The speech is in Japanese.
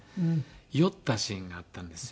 酔ったシーンがあったんですよ。